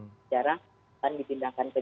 secara akan dipindahkan ke